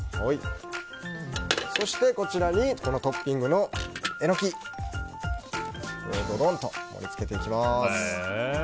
そして、トッピングのエノキをドドンと盛り付けていきます。